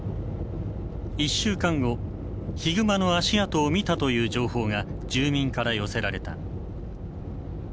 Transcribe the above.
１週間後「ヒグマの足跡を見た」という情報が住民から寄せられた。